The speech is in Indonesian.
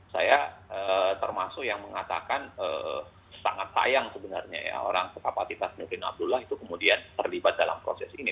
saya termasuk yang mengatakan sangat sayang sebenarnya ya orang sekaparitas nurdin abdullah itu kemudian terlibat dalam proses ini